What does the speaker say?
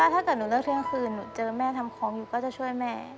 ถ้าเกิดหนูเลิกเที่ยงคืนหนูเจอแม่ทำของอยู่ก็จะช่วยแม่